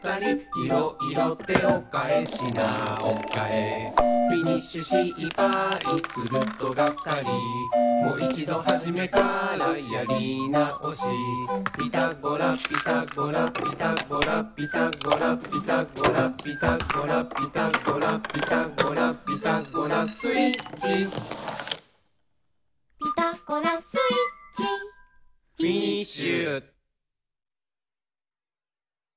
「いろいろ手をかえ品をかえ」「フィニッシュ失敗するとがっかり」「もいちどはじめからやり直し」「ピタゴラピタゴラ」「ピタゴラピタゴラ」「ピタゴラピタゴラ」「ピタゴラピタゴラ」「ピタゴラスイッチ」「ピタゴラスイッチ」「フィニッシュ！」